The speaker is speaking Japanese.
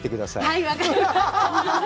はい、わかりました。